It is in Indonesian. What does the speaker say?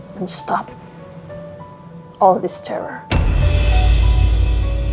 dan hentikan semua teror ini